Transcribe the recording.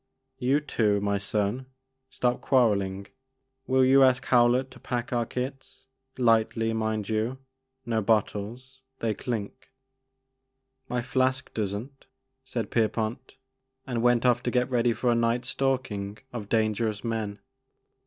You too, my son ; stop quarelling ! Will you ask Howlett to pack our kits — ^lightly mind you, — no bottles, — ^they clink." My flask does n't," said Pierpont, and went off to get ready for a night's stalking of dan gerous men.